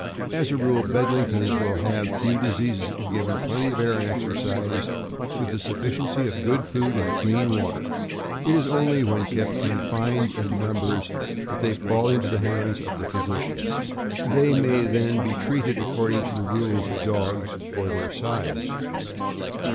As a rule, Bedlingtons will have few diseases if given plenty of air and exercise, with a sufficiency of good food and clean water. It is only when kept confined in num bers that they "fall into the hands of the physicians." They may then be treated according to the rules for dogs of their size.